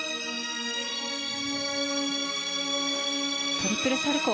トリプルサルコウ。